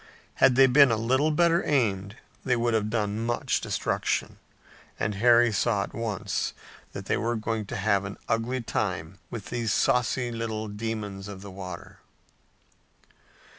Had they been a little better aimed they would have done much destruction, and Harry saw at once that they were going to have an ugly time with these saucy little demons of the water.